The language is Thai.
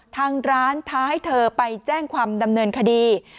ทางร้านท้าให้เธอไปแจ้งความดำเนินคดี